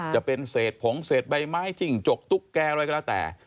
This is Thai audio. จะเป็นเศษผงเศษใบไม้จิ้งจกตุ๊กแกอะไรก็แล้วแต่